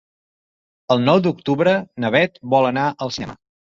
El nou d'octubre na Bet vol anar al cinema.